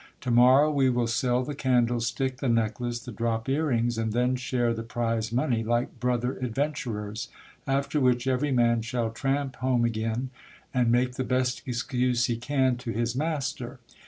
To morrow we will sell the candlestick, the necklace, the drop ear rings, and then share the prize money like brother adventurers, after which every man shall tramp home again, and make the best excuse he can to his master.